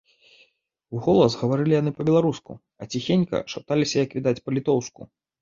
Уголас гаварылі яны па-беларуску, а ціхенька шапталіся, як відаць, па-літоўску.